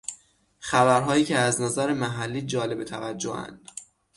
خبرهایی که از نظر محلی جالب توجهاند